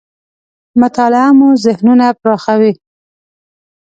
مطالعه مو ذهنونه پراخوي .